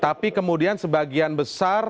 tapi kemudian sebagian besar